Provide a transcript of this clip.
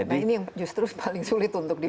ini yang justru paling sulit untuk dibuka